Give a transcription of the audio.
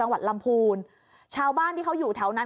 ลำพูนชาวบ้านที่เขาอยู่แถวนั้น